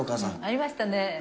ありましたね。